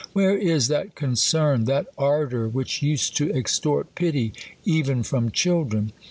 Where is that concern, that ardour which used to extort pity even from children